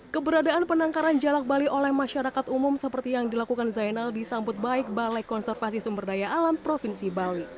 keberadaan penangkaran jalak bali oleh masyarakat umum seperti yang dilakukan zainal disambut baik balai konservasi sumber daya alam provinsi bali